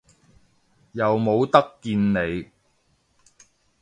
又冇得見你